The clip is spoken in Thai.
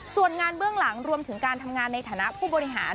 ส่วนงานเบื้องหลังรวมถึงการทำงานในฐานะผู้บริหาร